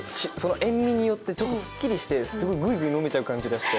塩味によってちょっとすっきりしてぐいぐい飲めちゃう感じがして。